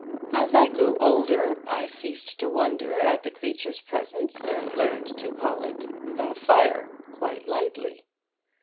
As I grew older, I ceased to wonder at the creature's presence and learned to call it 'the fire,' quite lightly.